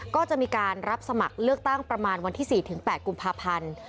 ก็จะมีการรับสมัครเลือกตั้งประมาณวันที่๔๘กุมภาพันธ์